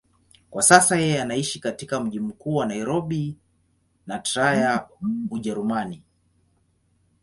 Kwa sasa yeye anaishi katika mji mkuu wa Nairobi na Trier, Ujerumani.